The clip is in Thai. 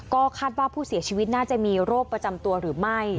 ก็คาดว่าผู้เสียชีวิตน่าจะมีโรคประจำตัวหรือไม่